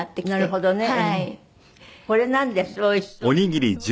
おにぎり？